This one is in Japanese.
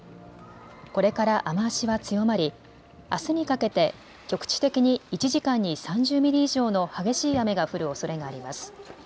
これから雨足は強まりあすにかけて局地的に１時間に３０ミリ以上の激しい雨が降るおそれがあります。